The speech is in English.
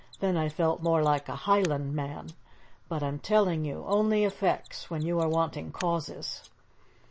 Then I felt more like a highlandman. But I am telling you only effects when you are wanting causes.